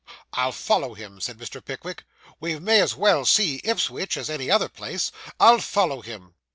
'I'll follow him,' said Mr. Pickwick; 'we may as well see Ipswich as any other place. I'll follow him.